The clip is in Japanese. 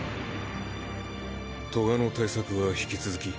トガの対策は引き続き？